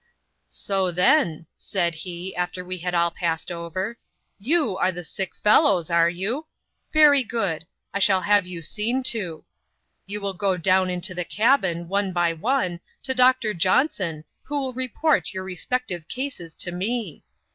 " So, then," said he, after we had all passed over, "yo« are the sick fellows, are you ? Very good : I shall have you seen to. You will go down into the cabin, one by one, to Doctor . Johnson, who will report your respective cases to me.